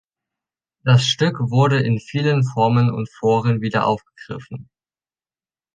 Das Stück wurde in vielen Formen und Foren wieder aufgegriffen.